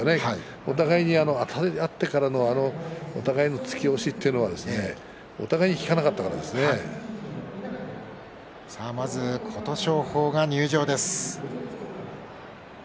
お互いにあたり合ってからお互いの突き押しというのはまず琴勝峰が入場です。